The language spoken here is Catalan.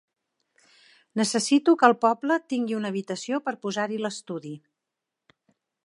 Necessito que el poble tingui una habitació per posar-hi l'estudi.